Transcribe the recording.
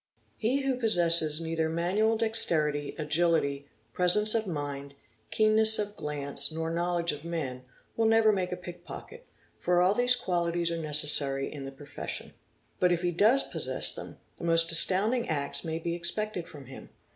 He who possesses neither manual dexterity, agility, presence of mind, keenness of glance, nor knowledge of men, will never make a pickpocket, for all these qualities are necessary in the profession; but if he does possess them, the most astounding acts may be expected from him.